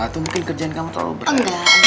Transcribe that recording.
ya ga tuh mungkin kerjaan kamu terlalu berat